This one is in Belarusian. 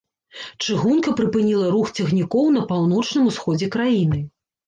Чыгунка прыпыніла рух цягнікоў на паўночным усходзе краіны.